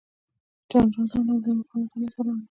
جنرالان او لوی مقامات هم اتلان نه وو.